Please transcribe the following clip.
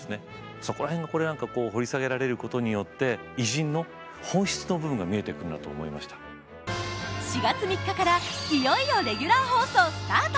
そこら辺を掘り下げられることによって４月３日からいよいよレギュラー放送スタート！